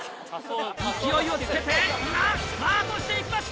勢いをつけて今スタートしていきました！